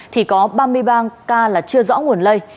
trong năm nay có ba mươi ba ca chưa rõ nguồn lây